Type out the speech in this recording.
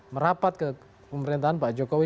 merapat ke pemerintahan pak jokowi